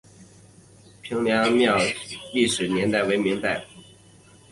平凉隍庙的历史年代为明代。